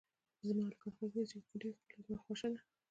زما هلکان خوښیږی ځکه چی ښکلی وی ښکله زما خوشه ده